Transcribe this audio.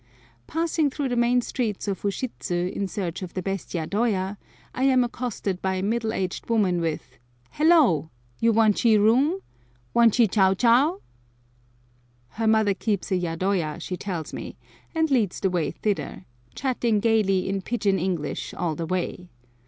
Passing through the main streets of Ushidzu in search of the best yadoya, I am accosted by a middle aged woman with, "Hello! you wanchee room? wanchee chow chow." Her mother keeps a yadoya, she tells me, and leads the way thither, chatting gayly in pidgeon English, all the way.